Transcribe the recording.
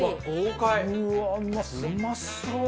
うまそう！